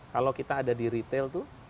kalau kita ada di retail itu